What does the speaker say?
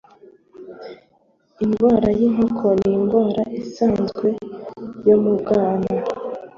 Indwara y'inkoko ni indwara isanzwe yo mu bwana.